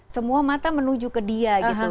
semua mata menuju ke dia gitu